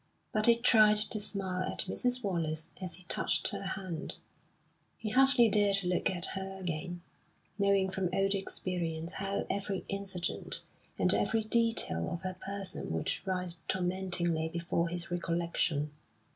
But he tried to smile at Mrs. Wallace as he touched her hand; he hardly dared look at her again, knowing from old experience how every incident and every detail of her person would rise tormentingly before his recollection.